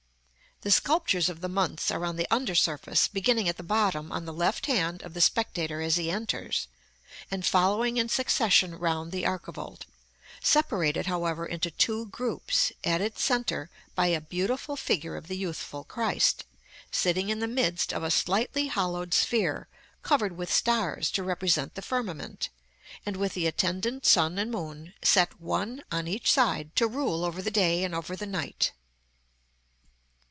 The sculptures of the months are on the under surface, beginning at the bottom on the left hand of the spectator as he enters, and following in succession round the archivolt; separated, however, into two groups, at its centre, by a beautiful figure of the youthful Christ, sitting in the midst of a slightly hollowed sphere covered with stars to represent the firmament, and with the attendant sun and moon, set one on each side to rule over the day and over the night.